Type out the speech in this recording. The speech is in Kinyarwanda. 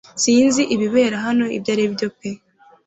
Sinzi ibibera hano ibyaribyo pe